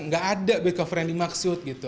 nggak ada back cover yang dimaksud gitu